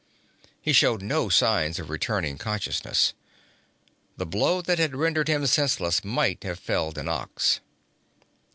He showed no signs of returning consciousness. The blow that had rendered him senseless might have felled an ox.